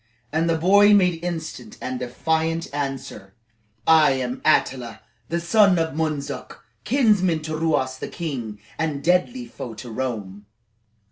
And the boy made instant and defiant answer: "I am Attila, the son of Mundzuk, kinsman to Ruas the king, and deadly foe to Rome."